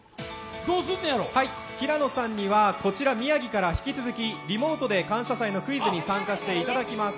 平野さんには、こちら、宮城から引き続きリモートで「感謝祭」のクイズに参加していただきます。